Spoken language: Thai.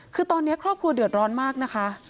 คือตอนนี้ครอบครัวเดือดร้อนมากนะคะ